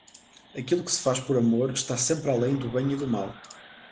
Aquilo que se faz por amor está sempre além do bem e do mal.